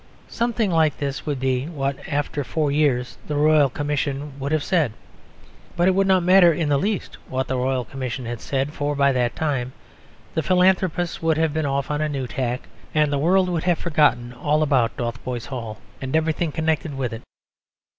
Something like this would be what, after four years, the Royal Commission would have said; but it would not matter in the least what the Royal Commission had said, for by that time the philanthropists would be off on a new tack and the world would have forgotten all about Dotheboys Hall and everything connected with it.